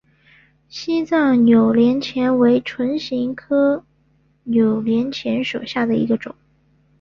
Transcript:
西藏扭连钱为唇形科扭连钱属下的一个种。